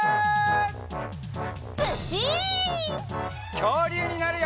きょうりゅうになるよ！